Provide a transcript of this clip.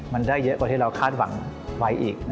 มันได้เยอะกว่าที่เราคาดหวังไว้อีก